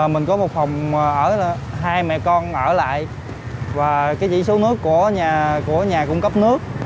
mình có một phòng ở hai mẹ con ở lại và cái chỉ số nước của nhà cung cấp nước